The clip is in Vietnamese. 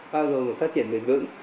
bao gồm phát triển bền vững